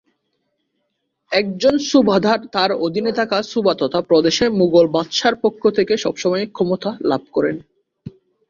একজন সুবাহদার তার অধীনে থাকা সুবাহ তথা প্রদেশে মোগল বাদশাহর পক্ষ থেকে সর্বময় ক্ষমতা লাভ করেন।